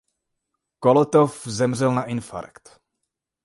Kolotov zemřel na infarkt.